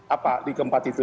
apa di keempat itu